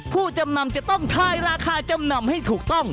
ผู้จำนำจะต้องทายราคาจำนำให้ถูกต้อง